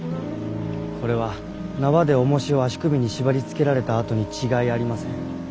これは縄で重石を足首に縛り付けられた痕に違いありません。